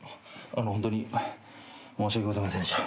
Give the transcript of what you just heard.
ホントに申し訳ございませんでした。